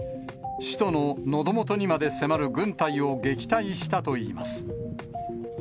首都ののど元にまで迫る軍隊を撃退したといいます。